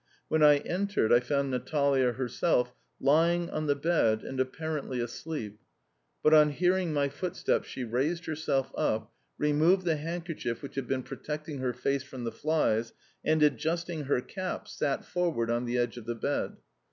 When I entered I found Natalia herself lying on the bed and apparently asleep, but, on hearing my footsteps, she raised herself up, removed the handkerchief which had been protecting her face from the flies, and, adjusting her cap, sat forward on the edge of the bed.